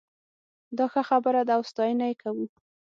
دا ښه خبره ده او ستاينه یې کوو